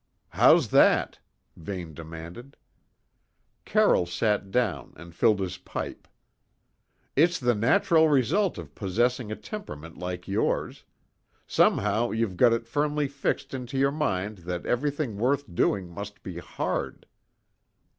"How's that?" Vane demanded. Carroll sat down and filled his pipe. "It's the natural result of possessing a temperament like yours. Somehow, you've got it firmly fixed into your mind that everything worth doing must be hard."